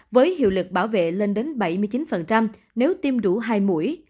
với hiệu lực bảo vệ lên đến bảy mươi chín nếu tiêm đủ hai mũi